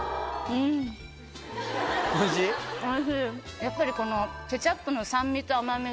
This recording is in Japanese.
やっぱりこのケチャップの酸味と甘味が。